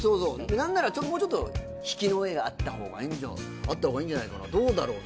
何ならもうちょっと引きの絵があった方がいいんじゃないかなどうだろう？みたいな。